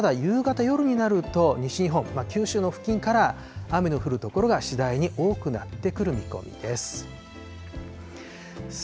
ただ夕方、夜になると西日本、九州の付近から雨の降る所が次第に多くなってくる見込みです。